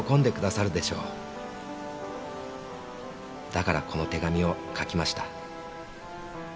「だからこの手紙を書きました」